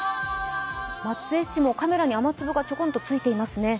松江市もカメラに雨粒がちょこんとついていますね。